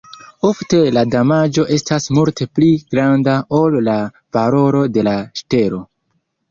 Ofte la damaĝo estas multe pli granda ol la valoro de la ŝtelo.